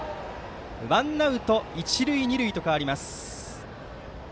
ワンアウト、一塁二塁と変わります。